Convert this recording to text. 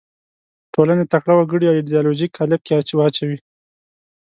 ټولنې تکړه وګړي ایدیالوژیک قالب کې واچوي